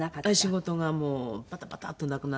仕事がもうバタバタッとなくなっていく。